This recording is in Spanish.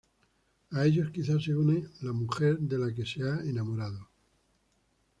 A ellos quizá se una la mujer de la que se ha enamorado.